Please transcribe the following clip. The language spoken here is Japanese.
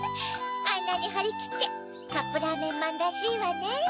あんなにはりきってカップラーメンマンらしいわね。